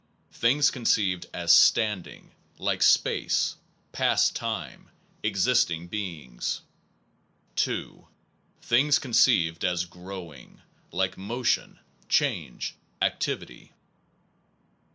Things conceived as standing, like space, past time, existing beings. 2. Things conceived as growing, like motion, change, activity.